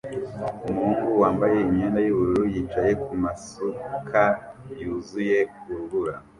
Umuhungu wambaye imyenda yumukara yicaye kumasuka yuzuye urubura